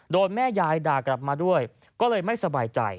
แม่ยายด่ากลับมาด้วยก็เลยไม่สบายใจ